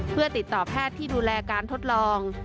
เพื่อติดต่อแพทย์ที่ดูแลการทดลอง